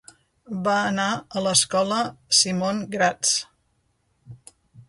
Va anar a l'escola Simon Gratz.